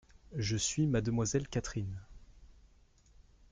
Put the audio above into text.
Je suis mademoiselle Catherine.